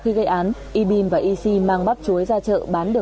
thích dục á mày làm gì tao